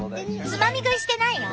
つまみ食いしてないよ。